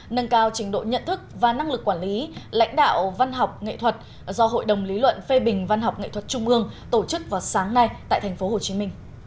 nâng cao trình độ nhận thức và năng lực quản lý lãnh đạo văn học nghệ thuật do hội đồng lý luận phê bình văn học nghệ thuật trung ương tổ chức vào sáng nay tại tp hcm